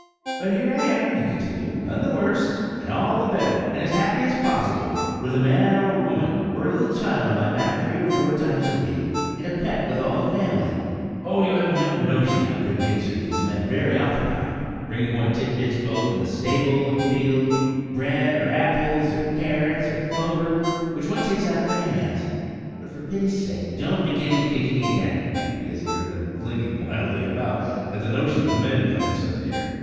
"But here I am," he continued, "none the worse, and all the better, and as happy as possible, with a man or woman, or a little child on my back three or four times a week, and a pet with all the family. Oh! you have no notion how good natured these men very often are–bringing one tit bits both in the stable and field–bread, or apples, or carrots, or clover, which one takes out of their hands. But for pity's sake don't begin kicking again," cried he, as he heard them flinging wildly about, at the notion of men coming so near.